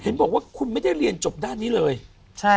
เห็นบอกว่าคุณไม่ได้เรียนจบด้านนี้เลยใช่